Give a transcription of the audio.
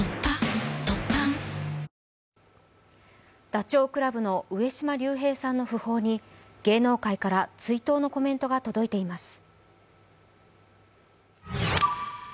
ダチョウ倶楽部の上島竜兵さんの訃報に芸能界から追悼のコメントが届いています。